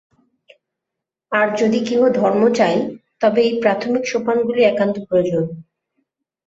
আর যদি কেহ ধর্ম চায়, তবে এই প্রাথমিক সোপানগুলি একান্ত প্রয়োজন।